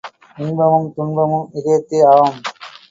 இன்பமும் துன்பமும் இதயத்தே ஆம்.